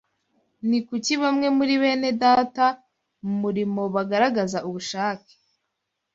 Ni kuki bamwe muri benedata mu murimo bagaragaza ubushake